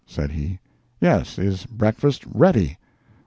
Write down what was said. said he. "Yes—is breakfast READY?"